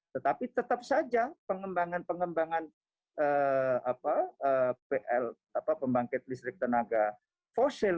tetapi tetap saja pengembangan pengembangan pl pembangkit listrik tenaga fosil